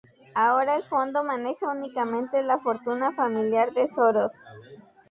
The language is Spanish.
Ahora, el fondo maneja únicamente la fortuna familiar de Soros.